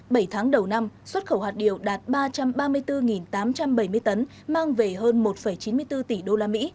bảy tháng đầu năm xuất khẩu hạt điều đạt ba trăm ba mươi bốn tám trăm bảy mươi tấn mang về hơn một chín mươi bốn tỷ đô la mỹ